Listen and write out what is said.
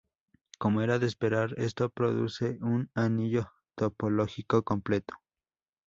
Como era de esperar, esto produce un anillo topológico completo.